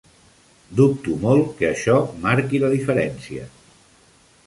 Dubto molt que això marqui la diferència.